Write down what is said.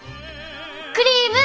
クリーム！